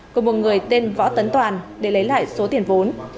của một người tên võ tấn toàn để lấy lại số tiền vốn